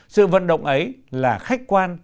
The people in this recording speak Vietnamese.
sự vận động ấy là khách quan